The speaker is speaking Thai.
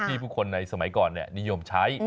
ผู้คนในสมัยก่อนนิยมใช้